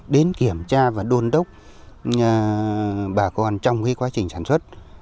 đến kiểm tra và đôn đốc bà con trong quá trình sản xuất